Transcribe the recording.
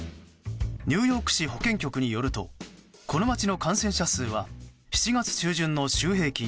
ニューヨーク市保健局によるとこの街の感染者数は７月中旬の週平均